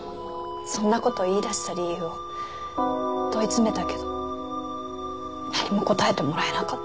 そんな事言い出した理由を問い詰めたけど何も答えてもらえなかった。